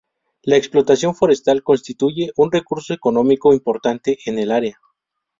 La explotación forestal constituye un recurso económico importante en el área.